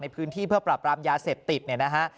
พื้นที่เพื่อปรับปรามยาเสพติดเนี่ยนะฮะ